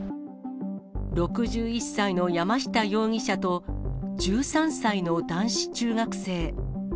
６１歳の山下容疑者と、１３歳の男子中学生。